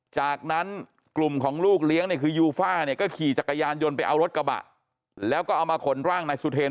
จากนั้นกลุ่มของลูกเลี้ยงเนี่ยคือยูฟ่าเนี่ยก็ขี่จักรยานยนต์ไปเอารถกระบะแล้วก็เอามาขนร่างนายสุเทรน